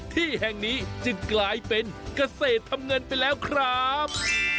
ที่แห่งนี้จึงกลายเป็นเกษตรทำเงินไปแล้วครับ